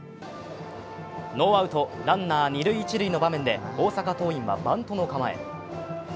ノーアウト、ランナー、一・二塁の場面で大阪桐蔭はバントの構え。